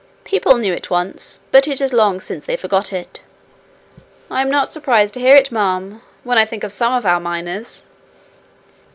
People knew it once, but it is long since they forgot it.' 'I am not surprised to hear it, ma'am, when I think of some of our miners.'